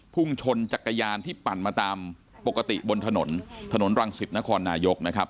พุ่งชนจักรยานที่ปั่นมาตามปกติบนถนนถนนรังสิตนครนายกนะครับ